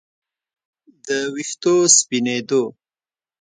د ویښتو سپینېدو